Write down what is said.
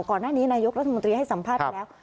ก่อนหน้านี้นายกรัฐมนตรีให้สัมภาษณ์ไปแล้ว